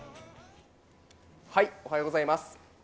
おはようございます。